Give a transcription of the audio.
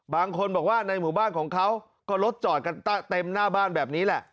บางคนบอกว่าในหมู่บ้านของเขาก็รถจอดกันเต็มหน้าบ้านแบบนี้แหละ